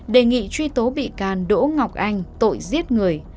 đề nghị truy tố bị can đỗ ngọc anh tội giết người